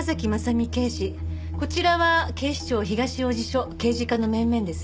こちらは警視庁東王子署刑事課の面々です。